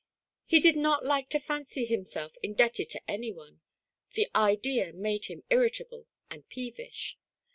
He did not like to fancy himself indebted to any one ; the idea made him irritable and peevish.